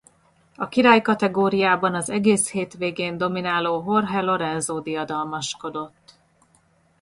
A királykategóriában az egész hétvégén domináló Jorge Lorenzo diadalmaskodott.